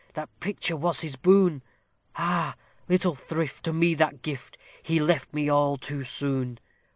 that picture was his boon: Ah! little thrift to me that gift: he left me all too soon!